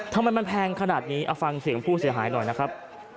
ทำไมมันแพงขนาดนี้เอาฟังเสียงผู้เสียหายหน่อยนะครับ